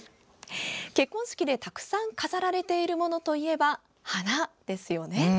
結婚式で、たくさん飾られているものといえば花ですよね。